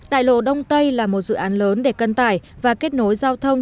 tài lộ đông tây là một dự án lớn để cân tải và kết nối giao thông